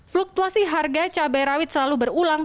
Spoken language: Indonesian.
fluktuasi harga cabai rawit selalu berulang